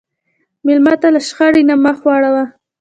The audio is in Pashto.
مېلمه ته له شخړې نه مخ واړوه.